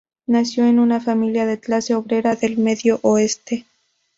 Nació en una familia de clase obrera del Medio Oeste.